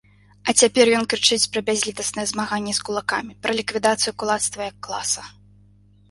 А цяпер ён крычыць пра бязлітаснае змаганне з кулакамі, пра ліквідацыю кулацтва як класа!